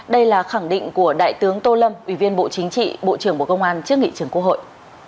đây là khẳng định của đại tướng tô lâm ủy viên bộ chính trị bộ trưởng bộ công an trước nghị trường quốc hội